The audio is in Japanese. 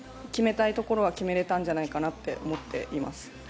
決めたいところは決めれたんじゃないかと思っています。